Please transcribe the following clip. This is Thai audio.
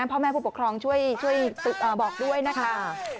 พ่อแม่ผู้ปกครองช่วยบอกด้วยนะคะ